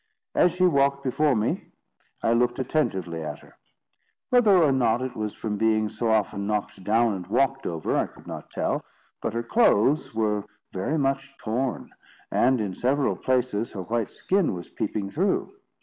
As she walked before me, I looked attentively at her. Whether or not it was from being so often knocked down and walked over, I could not tell, but her clothes were very much torn, and in several places her white skin was peeping through.